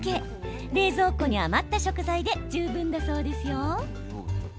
冷蔵庫に余った食材で十分だそうですよ。